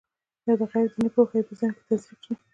یا غیر دیني پوهه یې په ذهن کې تزریق شي.